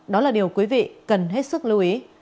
đó là điều quý vị cần hết sức lưu ý